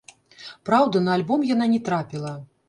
Праўда, на альбом яна не трапіла.